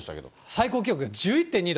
最高気温が１１．２度。